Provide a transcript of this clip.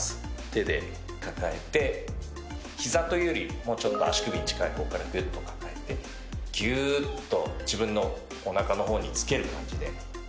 手で抱えて膝というよりもうちょっと足首に近い方からグッと抱えてギューッと自分のおなかの方につける感じで。